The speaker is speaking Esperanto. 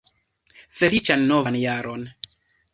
Feliĉan novan jaron!